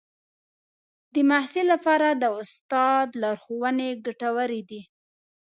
د محصل لپاره د استاد لارښوونې ګټورې دي.